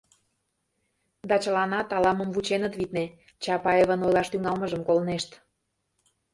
Да чыланат ала-мом вученыт - витне, Чапаевын ойлаш тӱҥалмыжым колнешт...